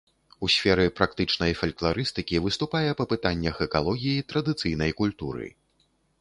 У сферы практычнай фалькларыстыкі выступае па пытаннях экалогіі традыцыйнай культуры.